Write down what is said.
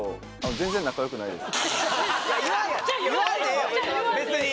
全然仲良くないです